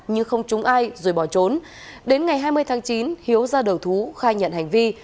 đến ngày hai mươi tháng chín hiếu ra đầu thú khai nhận hành vi